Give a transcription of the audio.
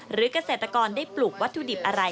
หรือกระเศรษฐกรได้ปลูกวัตถุดิบอะไร